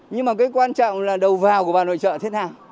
nhưng mà cái quan trọng là đầu vào của bà nội trợ thế nào